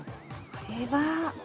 ◆これは。